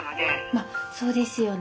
まっそうですよね。